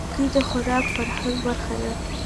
هګۍ د خوراک فرهنګ برخه ده.